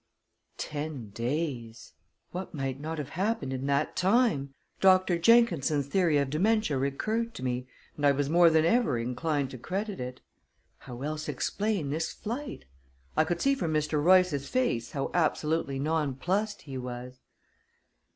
Ten days! What might not have happened in that time! Doctor. Jenkinson's theory of dementia recurred to me, and I was more than ever inclined to credit it. How else explain this flight? I could see from Mr. Royce's face how absolutely nonplused he was.